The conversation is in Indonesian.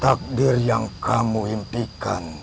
takdir yang kamu impikan